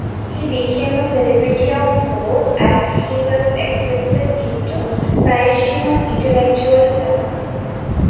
He became a celebrity of sorts as he was accepted into Parisian intellectual salons.